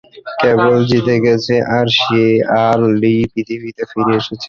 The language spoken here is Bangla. ক্যাবল জিতে গেছে, আর সে আর লী পৃথিবীতে ফিরে এসেছে.